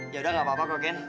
yaudah gak apa apa bro ken